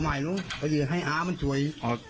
ให้เลยให้ผมช่วย